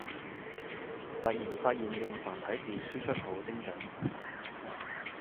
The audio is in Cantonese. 突然發現用繁體字輸出好精准